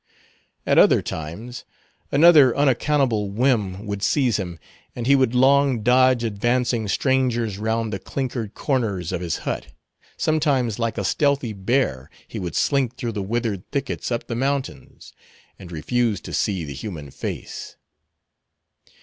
At other times, another unaccountable whim would seize him, and he would long dodge advancing strangers round the clinkered corners of his hut; sometimes like a stealthy bear, he would slink through the withered thickets up the mountains, and refuse to see the human face.